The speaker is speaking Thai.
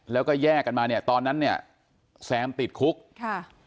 แล้วก็แยกกันมาเนี่ยตอนนั้นเนี่ยแซมติดคุกค่ะ